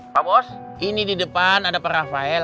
pak bos ini di depan ada pak rafael